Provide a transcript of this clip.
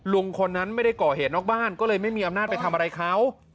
คนนั้นไม่ได้ก่อเหตุนอกบ้านก็เลยไม่มีอำนาจไปทำอะไรเขา